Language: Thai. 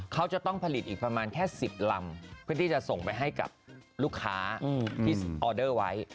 เขาจะต้องผลิตอีกประมาณแค่๑๐ลำเพื่อที่จะส่งไปให้กับลูกค้าที่ออเดอร์ไว้